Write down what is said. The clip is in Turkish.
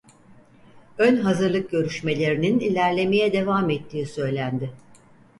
Ön hazırlık görüşmelerinin ilerlemeye devam ettiği söylendi.